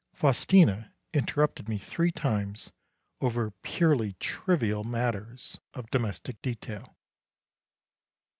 Faustina interrupted me three times over purely trivial matters of domestic detail.